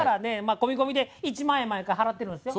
込み込みで１万円毎回払ってるんですよ。